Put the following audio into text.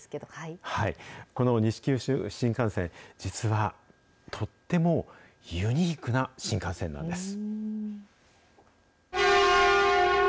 この西九州新幹線、実は、とってもユニークな新幹線なんです。